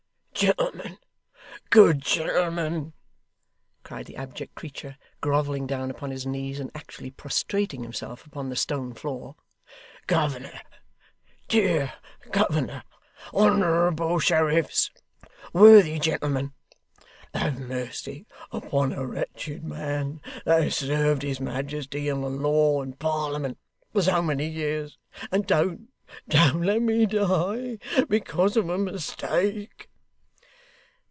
'Gentlemen, good gentlemen,' cried the abject creature, grovelling down upon his knees, and actually prostrating himself upon the stone floor: 'Governor, dear governor honourable sheriffs worthy gentlemen have mercy upon a wretched man that has served His Majesty, and the Law, and Parliament, for so many years, and don't don't let me die because of a mistake.